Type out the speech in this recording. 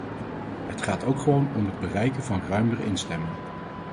Het gaat ook gewoon om het bereiken van ruimere instemming.